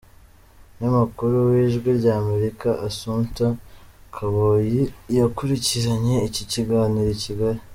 Umunyamakuru w’Ijwi ry’Amerika Assumpta Kaboyi yakurikiranye iki kiganiro I Kigali.